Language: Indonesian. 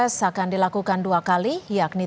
tidak ada tidak ada recana recana